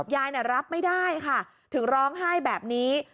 ยายรับไม่ได้ค่ะถึงร้องไห้แบบนี้